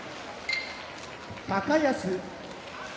高安